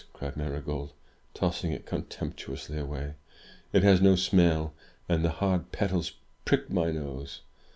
cried Marygold tossing it contemptuously away. " It has no smell, and the hard petals prick my nose!"